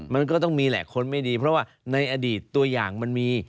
มันก็ต้องมีแหละคนไม่ดีเพราะว่าในอดีตตัวอย่างมันมี